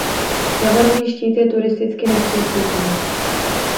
Javorový štít je turisticky nepřístupný.